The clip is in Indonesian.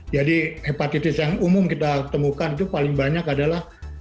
jadi hepatitis yang umum kita temukan itu paling banyak adalah